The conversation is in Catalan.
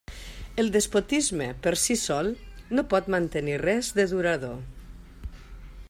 El despotisme, per si sol, no pot mantenir res de durador.